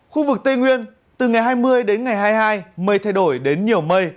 khu vực tây nguyên từ ngày hai mươi đến ngày hai mươi hai mây thay đổi đến nhiều mây